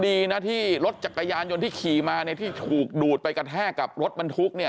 ดีนะที่รถจักรยานยนต์ที่ขี่มาเนี่ยที่ถูกดูดไปกระแทกกับรถบรรทุกเนี่ย